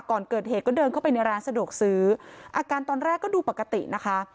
ก่อนเกิดเหตุก็เดินเข้าไปในร้านสะดวกซื้ออาการตอนแรกก็ดูปกตินะคะ